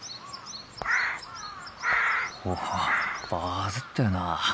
おおバズってるな。